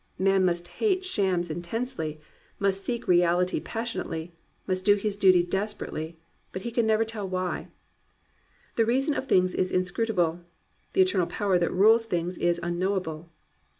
Man must hate shams intensely, must seek reality passionately, must do his duty desperately; but he can never tell why. The reason of things is inscrutable: the eternal Power that rules things is unknowable.